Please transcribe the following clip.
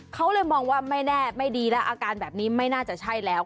เขาเลยมองว่าไม่แน่ไม่ดีแล้วอาการแบบนี้ไม่น่าจะใช่แล้ว